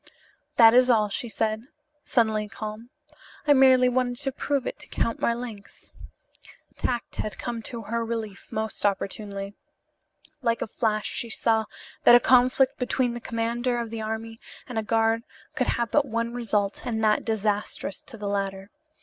"That is all," she said, suddenly calm. "I merely wanted to prove it to Count Marlanx." Tact had come to her relief most opportunely. Like a flash she saw that a conflict between the commander of the army and a guard could have but one result and that disastrous to the latter.